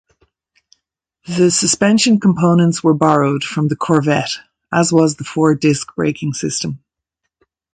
The suspension components were borrowed from the Corvette, as was the four-disc braking system.